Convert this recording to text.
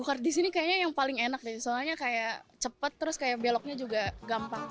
court di sini kayaknya yang paling enak deh soalnya kayak cepet terus kayak beloknya juga gampang